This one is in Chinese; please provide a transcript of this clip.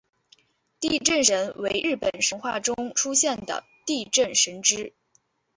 地震神为日本神话中出现的地震神只。